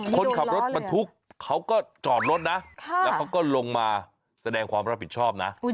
คนขับรถบรรทุกเขาก็จอดรถนะแล้วเขาก็ลงมาแสดงความรับผิดชอบนะ